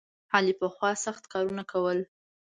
علي پخوا سخت کارونه کول.